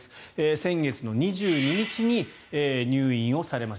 先月の２２日に入院をされました。